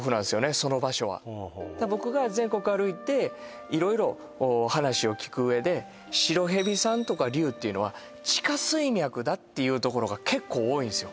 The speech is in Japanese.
その場所は僕が全国歩いて色々話を聞く上で白蛇さんとか龍っていうのは地下水脈だっていうところが結構多いんですよ